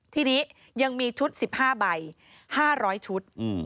ทีนี้ยังมีชุด๑๕ใบ๕๐๐ชุด